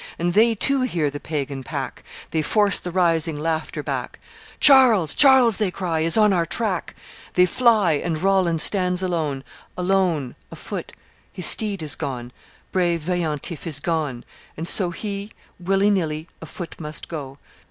And they, too, hear the pagan pack; They force the rising laughter back; 'Charles, Charles,' they cry, 'is on our track!' They fly; and Roland stands alone Alone, afoot; his steed is gone Brave Veillantif is gone, and so, He, willy nilly, afoot must go.